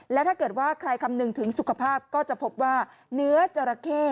แล้วถ้าเกิดว่าใครคำนึงถึงสุขภาพก็จะพบว่าเนื้อจราเข้